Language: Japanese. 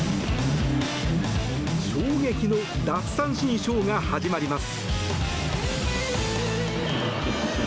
衝撃の奪三振ショーが始まります。